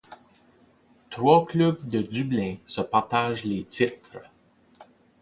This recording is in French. Trois clubs de Dublin se partagent les titres.